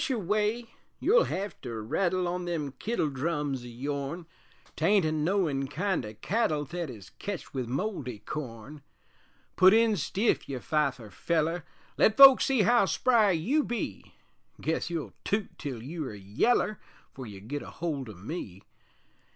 EZEKIEL BIGELOW Thrash away, you'll hev to rattle On them kittle drums o' yourn, 'Tain't a knowin' kind o' cattle Thet is ketched with moldy corn; Put in stiff, you fifer feller, Let folks see how spry you be Guess you'll toot till you are yeller 'Fore you git a hold o' me!